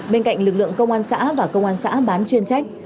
bên cạnh lực lượng công an xã và công an xã bán chuyên trách